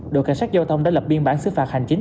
đội cảnh sát giao thông đã lập biên bản xứ phạt hành chính